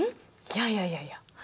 いやいやいやいや。